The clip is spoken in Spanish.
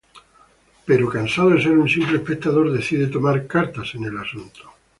Pero cansado de ser un simple espectador, decide tomar cartas en el asunto..